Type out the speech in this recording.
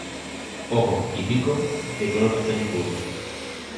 Ojos y pico de color castaño oscuro.